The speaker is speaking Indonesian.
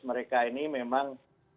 mereka ini memang